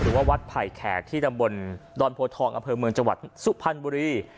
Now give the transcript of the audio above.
วัดไผ่แขกที่ตำบลดอนโพทองอำเภอเมืองจังหวัดสุพรรณบุรี